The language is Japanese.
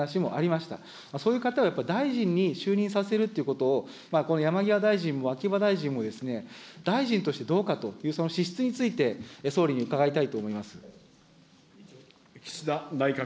そういう方がやっぱり大臣に就任させるということを、山際大臣も秋葉大臣も、大臣としてどうかという資質について、総理に伺いたいと思います。